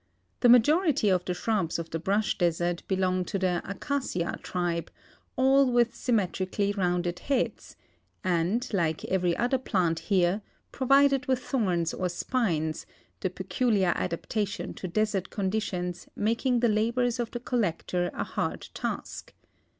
The majority of the shrubs of the brush desert belong to the Acacia tribe, all with symmetrically rounded heads, and, like every otiier plant here, provided with thorns or spines, the peculiar adaptation to desert conditions making the labors of the collector a hard task.